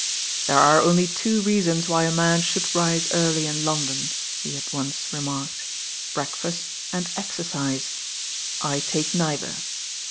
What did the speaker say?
'There are only two reasons why a man should rise early in London," he had once remarked, breakfast and exercise. I ;ake neither."